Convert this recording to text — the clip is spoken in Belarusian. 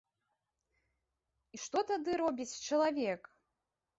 І што тады робіць чалавек?